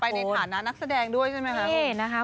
ในฐานะนักแสดงด้วยใช่ไหมครับ